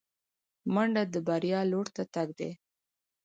منډه د بریا لور ته تګ دی